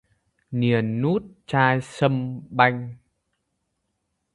Niền nút chai sâm banh